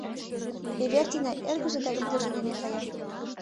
Эвердина эргыже да ӱдыржӧ дене кая.